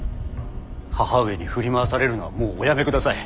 義母上に振り回されるのはもうおやめください。